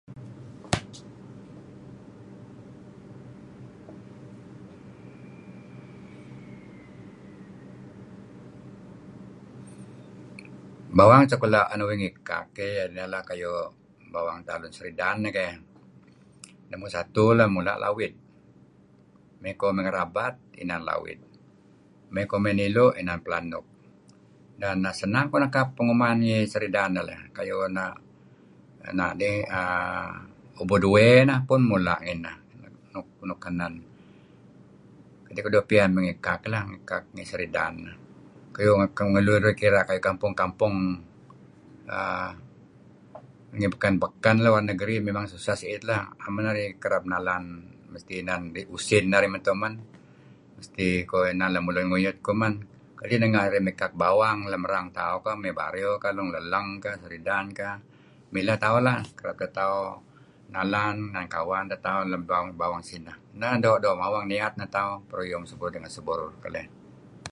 Bawang suk la' an uih ngikak iah neh kuayu' bawang tauh Lun Seridan nih keh, numur satu keh mula' lawid , mey koh ngerabat inan lawid, mey koh mey nilu' inan pelanuk, neh senang koh nekap penguman ngi Seridan neh leh. Kayu' na' dih err ubud uwey neh pun mula' ngineh luk kenen kadi' keduih doo' piyan mey ngikak lah ngikak ngi Seridan. Tulu narih kirah kayu' kampung-kampung err ngi beken-bejen ngi luar negeri memang susah si'it lah, am men narih kereb nalan mesti inan usin narih mento' men mesti iko inan lun nguyut koh men kadi nga' arih mikak bawang lem erang tauh mey Bario kah mey Long Lellang kah Seridan kah mileh tauh nalan inan kawan teh tauh lem bawang-bawang sineh. Neh doo' mawang niyat neh tauh ruyung seh burur ngan seh burur keleh.